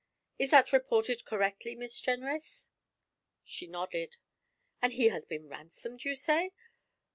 Is that reported correctly, Miss Jenrys?' She nodded. 'And he has been ransomed, you say?